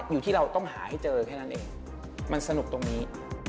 อยู่ที่เราต้องหาให้เจอแค่นั้นเองมันสนุกตรงนี้